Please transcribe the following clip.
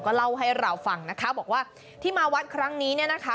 เล่าให้เราฟังนะคะบอกว่าที่มาวัดครั้งนี้เนี่ยนะคะ